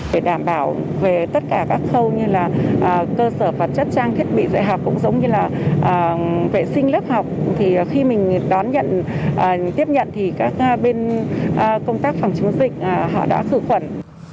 để đảm bảo về tất cả các khâu như là cơ sở vật chất trang thiết bị dạy học cũng giống như là vệ sinh lớp học thì khi mình đón nhận tiếp nhận thì các bên công tác phòng chống dịch họ đã khử khuẩn